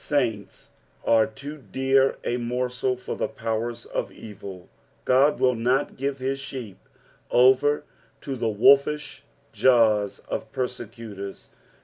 Saints are too dear a morsel for the powers of evil ; Ood will not give hia sheep over to the wolfish jaws of persecutors.